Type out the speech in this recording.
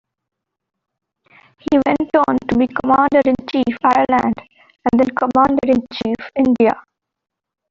He went on to be Commander-in-Chief, Ireland and then Commander-in-Chief, India.